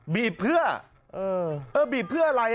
บีบเพื่อเออบีบเพื่ออะไร